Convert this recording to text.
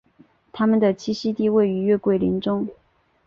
它们的栖息地位于月桂林中。